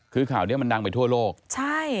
คือข่าวนี้มันดังไปทั่วโลกใช่